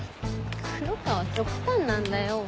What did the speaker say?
黒川は極端なんだよ。